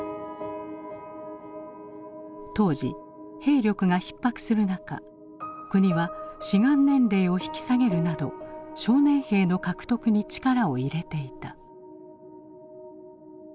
当時兵力がひっ迫する中国は志願年齢を引き下げるなど少年兵の獲得に力を入れていた。